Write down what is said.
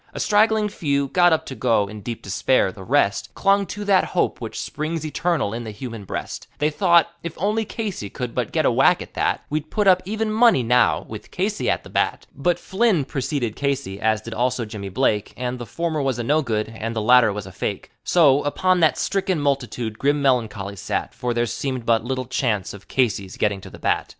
A straggling few got up to go, in deep despair. The rest Clung to that hope which "springs eternal in the human breast;" They thought, If only Casey could but get a whack at that, We'd put up even money now, with Casey at the bat. But Flynn procede Casey, as did also Jimmy Blake, And the former was a no good and the latter was a fake; So, upon that stricken multitude grim meloncholy sat, For there seemed but little chance of Casey's getting to the bat.